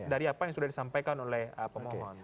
dari apa yang sudah disampaikan oleh pemohon